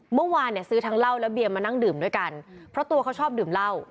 เมื่อวานเนี่ยซื้อทั้งเหล้าและเบียร์มานั่งดื่มด้วยกันเพราะตัวเขาชอบดื่มเหล้า